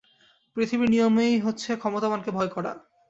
পৃথিবীর নিয়মই হচ্ছে ক্ষমতাবানকে ভয় করা।